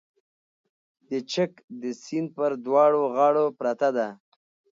د چک د سیند پر دواړو غاړو پرته ده